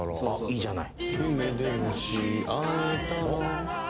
いいじゃない！